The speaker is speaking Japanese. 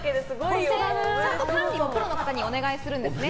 ちゃんと管理はプロの方にお願いするんですね。